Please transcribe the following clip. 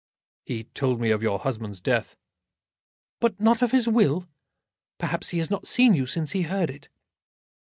"He told me of your husband's death." "But not of his will? Perhaps he has not seen you since he heard it."